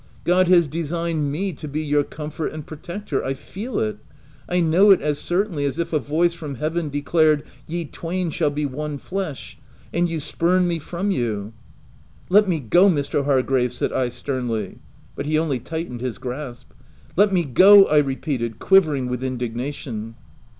God has designed me to be your comfort and protector — I feel it — I know it as certainly as if a voice from heaven declared ( Ye twain shall be one flesh '— and you spurn me from you —"" Let me go, Mr. Hargrave V said I sternly. But he only tightened his grasp. " Let me go !" I repeated, quivering with in dignation.